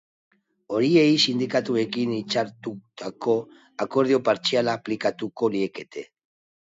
Horiei sindikatuekin hitzartutako akordio partziala aplikatuko liekete.